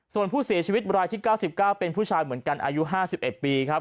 ส่วนผู้เสียชีวิตรายที่๙๙เป็นผู้ชายเหมือนกันอายุ๕๑ปีครับ